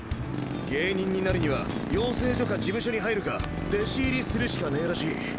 芸人になるには養成所か事務所に入るか弟子入りするしかねぇらしい。